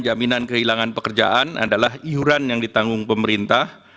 jaminan kehilangan pekerjaan adalah iuran yang ditanggung pemerintah